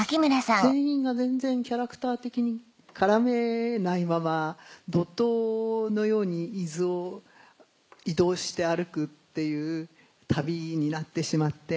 全員が全然キャラクター的に絡めないまま怒濤のように伊豆を移動して歩くっていう旅になってしまって。